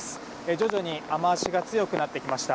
徐々に雨脚が強くなってきました。